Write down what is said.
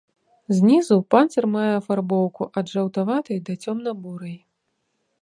Знізу панцыр мае афарбоўку ад жаўтаватай да цёмна-бурай.